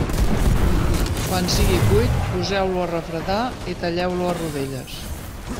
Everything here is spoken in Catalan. Quan sigui cuit, poseu-lo a refredar i talleu-lo a rodelles.